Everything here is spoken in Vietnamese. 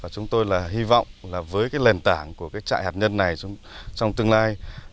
chúng tôi hy vọng với lền tảng của trại hạt nhân này trong tương lai